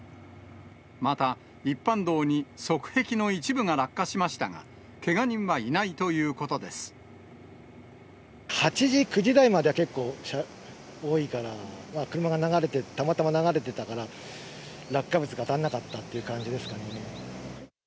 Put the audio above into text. また、一般道に側壁の一部が落下しましたが、けが人はいないということ８時、９時台までは結構多いから、車が流れて、たまたま流れてたから、落下物が当たんなかったっていう感じですかね。